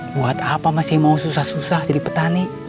buat apa masih mau susah susah jadi petani